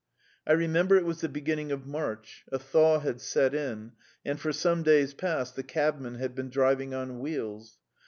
I remember it was the beginning of March; a thaw had set in, and for some days past the cabmen had been driving on wheels.